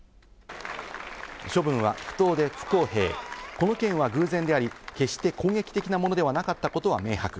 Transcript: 処分は不当で不公平、この件は偶然であり、決して攻撃的なものではなかったことは明白。